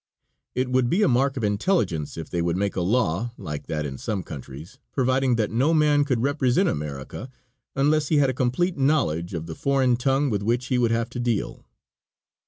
It would be a mark of intelligence if they would make a law, like that in some countries, providing that no man could represent America unless he had a complete knowledge of the foreign tongue with which he would have to deal.